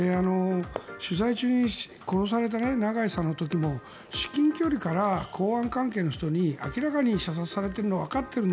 取材中に殺されたナガイさんの時も至近距離から公安関係の人に明らかに射殺されているのはわかっている。